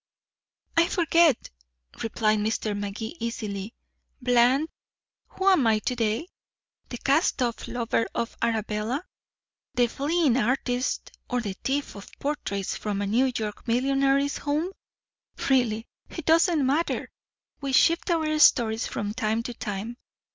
"I forget," replied Mr. Magee easily. "Bland, who am I to day? The cast off lover of Arabella, the fleeing artist, or the thief of portraits from a New York millionaire's home? Really, it doesn't matter. We shift our stories from time to time.